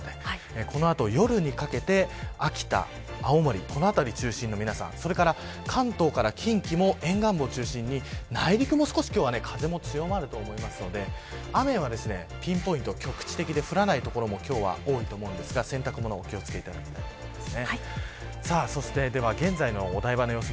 この後、夜にかけて秋田、青森、この辺り中心の皆さんそれから関東の皆さんも沿岸部を中心に内陸も今日は風が強まると思いますので雨はピンポイント、局地的で降らない所、今日は多いと思いますが洗濯物を気を付けいただきたいと思います。